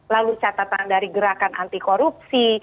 lalu catatan dari gerakan anti korupsi